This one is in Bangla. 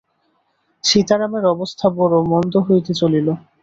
সীতারামের অবস্থা বড়ো মন্দ হইতে চলিল।